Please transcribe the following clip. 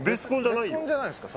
ベスコンじゃないですか